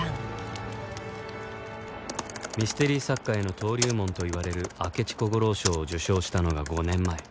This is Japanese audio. ミステリ作家への登竜門といわれる明智小五郎賞を受賞したのが５年前